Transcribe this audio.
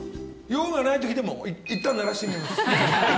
用がないときでもいったん鳴らしてみます。